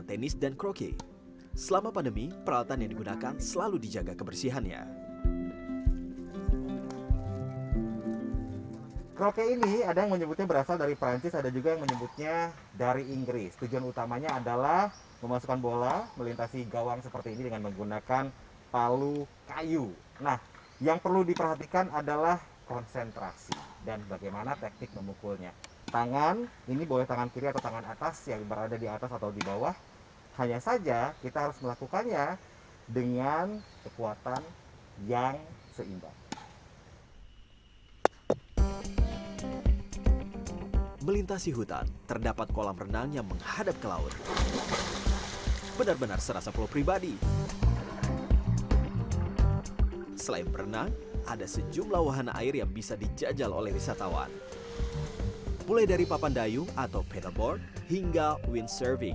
ini sudah salah satu kegiatan mereka dalam mengadakan kegiatan hari besar